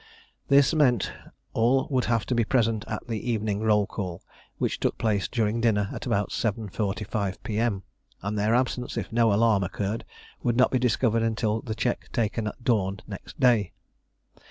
This meant all would have been present at the evening roll call, which took place during dinner at about 7.45 P.M.; and their absence, if no alarm occurred, would not be discovered until the check taken at dawn next day.